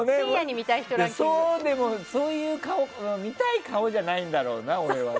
そういう顔、見たい顔じゃないんだろうな、俺は。